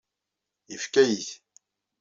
Yefka-yi-t.